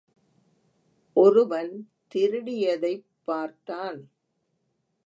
ஒருவன் திருடியதைப் பார்த்தான்.